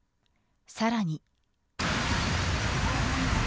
さらに。